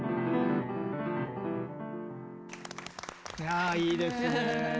ああいいですね。